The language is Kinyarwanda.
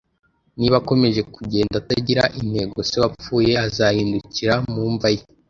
Niba akomeje kugenda atagira intego, se wapfuye azahindukira mu mva ye